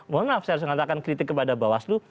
mohon maaf saya harus mengatakan kritik kepada bawaslu